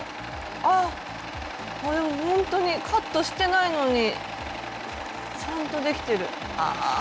ああほんとにカットしてないのにちゃんとできてる。